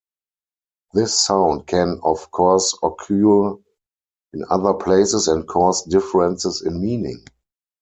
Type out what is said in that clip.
This sound can of course occur in other places and cause differences in meaning.